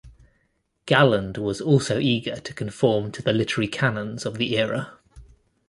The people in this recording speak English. Galland was also eager to conform to the literary canons of the era.